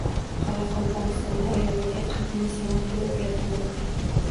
Qoraqalpog‘istonda ayollarga qadimiy san’at turi o‘rgatilmoqda